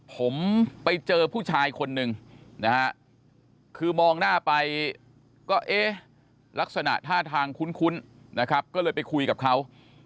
ผมไปเจอผู้ชายคนหนึ่งนะฮะคือมองหน้าไปก็เอ๊ะลักษณะท่าทางคุ้นนะครับก็เลยไปคุยกับเขา